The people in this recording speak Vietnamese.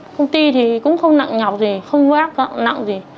công ty thì cũng không nặng nhọc gì không có ác nặng gì